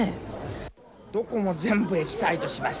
どこも全部エキサイトしましたね。